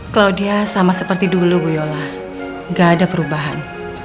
claudia sama seperti dulu bu yola gak ada perubahan